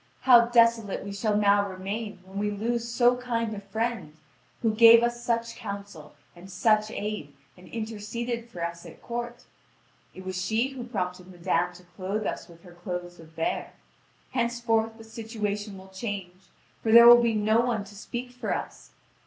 How desolate we shall now remain when we lose so kind a friend, who gave us such counsel and such aid, and interceded for us at court! It was she who prompted madame to clothe us with her clothes of vair. Henceforth the situation will change, for there will be no one to speak for us!